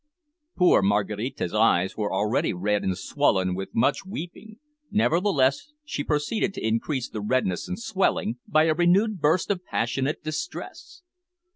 Poor Maraquita's eyes were already red and swollen with much weeping, nevertheless she proceeded to increase the redness and the swelling by a renewed burst of passionate distress.